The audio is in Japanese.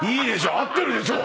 合ってるでしょ。